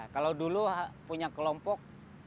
kalau dulu punya kelompok